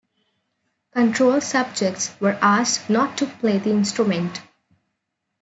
Control subjects were asked not to play the instrument.